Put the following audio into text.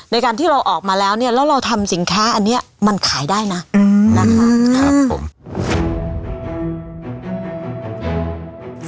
ในการที่เราออกมาแล้วเนี่ยแล้วเราทำสินค้าอันนี้มันขายได้นะนะคะครับผม